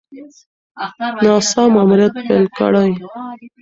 ناسا ماموریت پیل کړی.